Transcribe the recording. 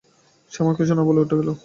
শ্যামা কিছু না বলে উঠে এল।